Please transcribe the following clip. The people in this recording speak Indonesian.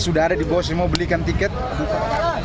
sudah ada di bawah saya mau belikan tiket buka